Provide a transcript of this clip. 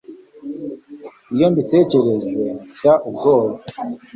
iyo mbitekereje, nshya ubwoba